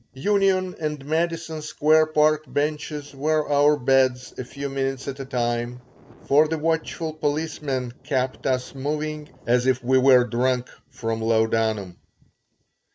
Union and Madison square park benches were our beds a few minutes at a time, for the watchful policeman kept us moving as if we were drunk from laudanum.